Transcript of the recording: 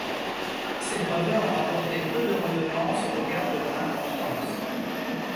Ces brevets ont rapporté peu de redevances au regard de leur importance.